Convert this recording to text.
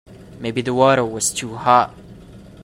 Maybe the water was too hot.